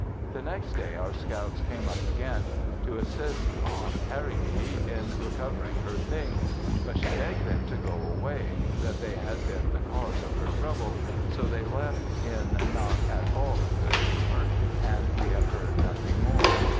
The next day our scouts came up again to assist Aunt Harrie in recovering her things; but, she begged them to go away; that they had been the cause of her trouble, so they left in not at all a good humor, and we have heard nothing more.